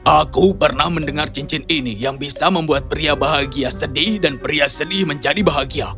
aku pernah mendengar cincin ini yang bisa membuat pria bahagia sedih dan pria sedih menjadi bahagia